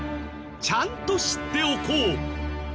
ちゃんと知っておこう。